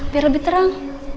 biar lebih terang